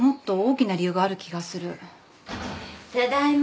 ・ただいま。